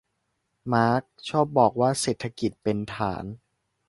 มาร์กซ์บอกว่าเศรษฐกิจเป็นฐาน